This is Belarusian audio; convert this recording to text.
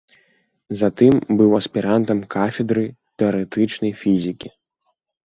Затым быў аспірантам кафедры тэарэтычнай фізікі.